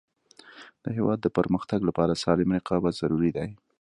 د هیواد د پرمختګ لپاره سالم رقابت ضروري دی.